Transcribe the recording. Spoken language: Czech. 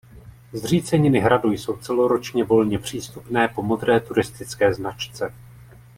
Zříceniny hradu jsou celoročně volně přístupné po modré turistické značce.